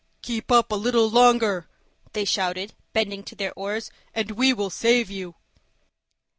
"Keep up a little longer," they shouted, bending to their oars, "and we will save you."